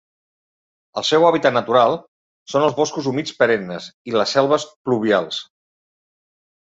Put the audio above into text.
El seu hàbitat natural són els boscos humits perennes i les selves pluvials.